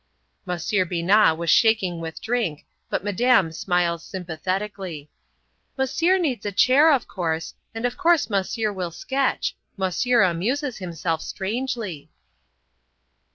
Monsieur Binat was shaking with drink, but Madame smiles sympathetically—"Monsieur needs a chair, of course, and of course Monsieur will sketch; Monsieur amuses himself strangely."